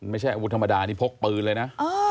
ไม่ใช่อาวุธธรรมดานี่พกปืนเลยนะ